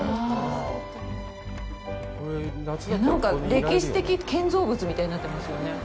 なんか歴史的建造物みたいになってますよね。